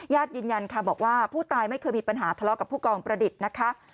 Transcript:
ยืนยันค่ะบอกว่าผู้ตายไม่เคยมีปัญหาทะเลาะกับผู้กองประดิษฐ์นะคะ